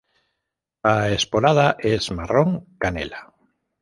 La esporada es marrón canela.